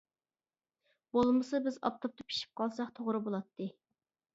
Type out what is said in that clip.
بولمىسا بىز ئاپتاپتا پىشىپ قالساق توغرا بولاتتى.